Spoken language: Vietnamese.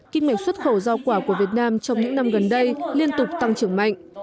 kinh mệnh xuất khẩu giao quả của việt nam trong những năm gần đây liên tục tăng trưởng mạnh